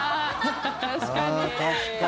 確かに。